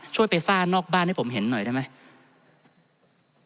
ช่วยไปซ่านอกบ้านให้ผมเห็นหน่อยได้ไหม